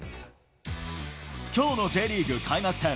きょうのＪリーグ開幕戦。